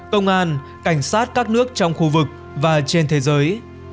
công an cảnh sát các nước trong khu vực và trên thế giới